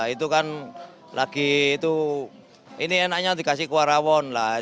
itu kan lagi itu ini enaknya dikasih kuah rawon lah